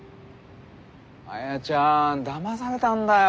亜弥ちゃんだまされたんだよ